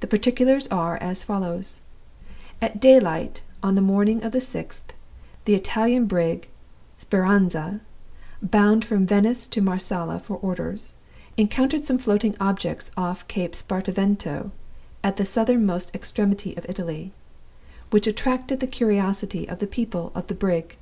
The particulars are as follows: At daylight, on the morning of the sixth, the Italian brig Speranza, bound from Venice to Marsala for orders, encountered some floating objects off Cape Spartivento (at the southernmost extremity of Italy) which attracted the curiosity of the people of the brig.